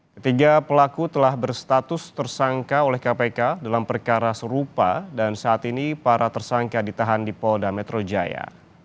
ketiga pelaku telah berstatus tersangka oleh kpk dalam perkara serupa dan saat ini para tersangka ditahan di polda metro jaya